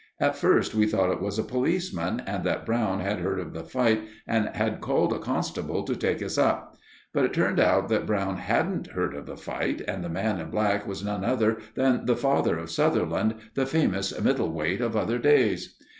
At first we thought it was a policeman, and that Brown had heard of the fight and had called a constable to take us up; but it turned out that Brown hadn't heard of the fight, and the man in black was none other than the father of Sutherland, the famous middle weight of other days!